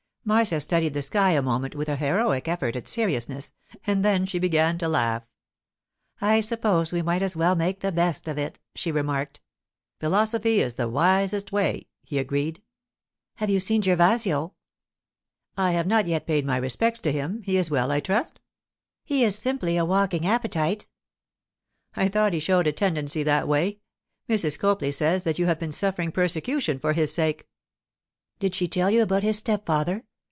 Marcia studied the sky a moment with an heroic effort at seriousness, and then she began to laugh. 'I suppose we might as well make the best of it,' she remarked. 'Philosophy is the wisest way,' he agreed. 'Have you seen Gervasio?' 'I have not yet paid my respects to him. He is well, I trust?' 'He is simply a walking appetite!' 'I thought he showed a tendency that way. Mrs. Copley says that you have been suffering persecution for his sake.' 'Did she tell you about his stepfather?